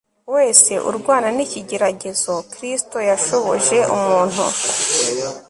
wese urwana nikigeragezo Kristo yashoboje umuntu